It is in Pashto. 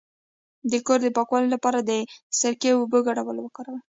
د کور د پاکوالي لپاره د سرکې او اوبو ګډول وکاروئ